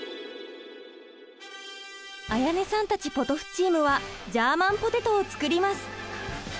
絢音さんたちポトフチームはジャーマンポテトを作ります。